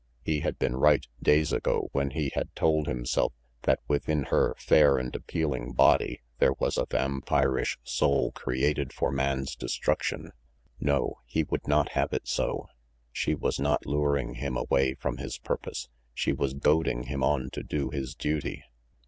He had been right, days ago, when he had told himself that within her fair and appealing body there was a vampirish soul created for man's destruction no, he would not have it so she was not luring him away from his purpose; she was goading him on to do his duty.